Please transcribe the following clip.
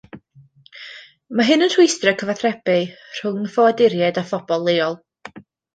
Mae hyn yn rhwystro cyfathrebu rhwng ffoaduriaid a phobl leol